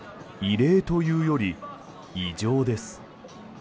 異例というより異常です。